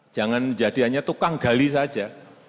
jangan jadi hanya tukang gali saja